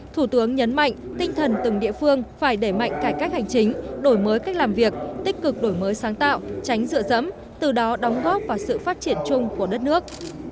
thủ tướng nhấn mạnh tinh thần từng địa phương phải đẩy mạnh cải cách hành chính đổi mới cách làm việc tích cực đổi mới sáng tạo tránh dựa dẫm từ đó đóng góp vào sự phát triển chung của đất nước